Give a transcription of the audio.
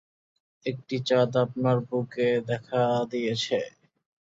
একটি চাঁদ আপনার বুকে দেখা দিয়েছে।